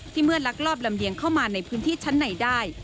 เมื่อลักลอบลำเลียงเข้ามาในพื้นที่ชั้นในได้